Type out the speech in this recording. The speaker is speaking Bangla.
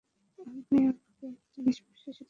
আপনি আমাকে একটা নিষ্পাপ শিশুকে খুন করতে বলছেন!